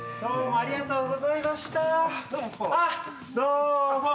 ありがとうございます。